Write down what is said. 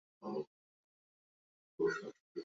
এখন আর কোনো উপায় নেই।